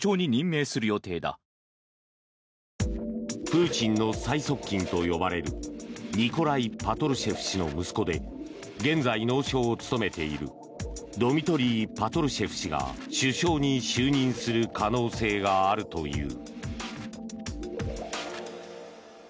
プーチンの最側近と呼ばれるニコライ・パトルシェフ氏の息子で現在、農相を務めているドミトリー・パトルシェフ氏が首相に就任する可能性があるという。